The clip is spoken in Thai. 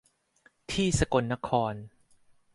ที่สกลนคร